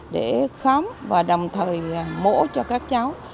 để khám và đồng thời mổ cho các cháu